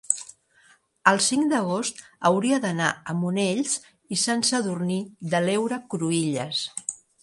el cinc d'agost hauria d'anar a Monells i Sant Sadurní de l'Heura Cruïlles.